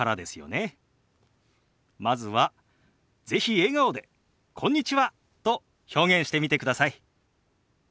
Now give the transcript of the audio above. まずは是非笑顔で「こんにちは」と表現してみてください。